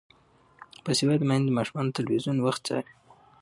باسواده میندې د ماشومانو د تلویزیون وخت څاري.